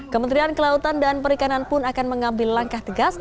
kementerian kelautan dan perikanan pun akan mengambil langkah tegas